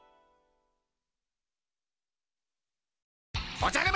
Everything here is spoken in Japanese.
おじゃる丸